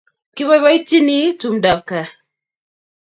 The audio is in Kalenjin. Kibaibaitynchini tumdab kaa